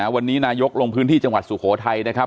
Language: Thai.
วันนี้นายกลงพื้นที่จังหวัดสุโขทัยนะครับ